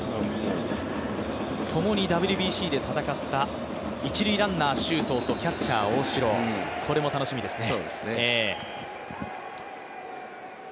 ともにＷＢＣで戦った一塁ランナー周東とキャッチャー・大城これも楽しみですね。